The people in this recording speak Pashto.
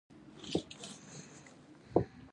ناشکري دواړه په یوه زړه کې نه شي یو ځای کېدلی.